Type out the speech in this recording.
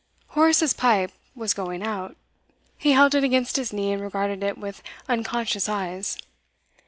Horace's pipe was going out; he held it against his knee and regarded it with unconscious eyes.